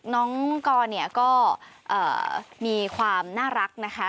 น้องกรก็มีความน่ารักนะคะ